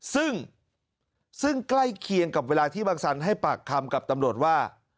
ซึ่งซึ่งใกล้เคียงกับเวลาที่บางสันให้ปากคำกับตำรวจว่า